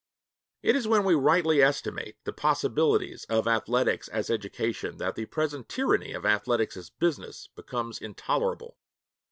III It is when we rightly estimate the possibilities of athletics as education that the present tyranny of athletics as business becomes intolerable.